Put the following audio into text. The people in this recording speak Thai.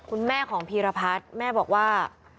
คุณแม่ของพีรพัฒน์แม่บอกว่า